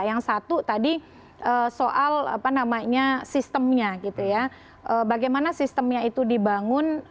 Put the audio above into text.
yang satu tadi soal sistemnya bagaimana sistemnya itu dibangun